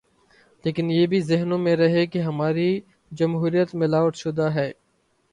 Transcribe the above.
لیکن یہ بھی ذہنوں میں رہے کہ ہماری جمہوریت ملاوٹ شدہ ہے۔